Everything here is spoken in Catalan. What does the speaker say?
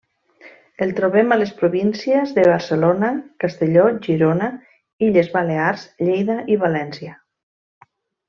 El trobem a les províncies de Barcelona, Castelló, Girona, Illes Balears, Lleida i València.